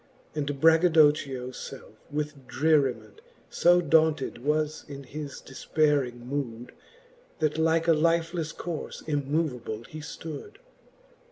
And Braggadocchio lelfe with dreriment So daunted was in his defpeyring mood, That like a lifelefle corle immoveable he flood.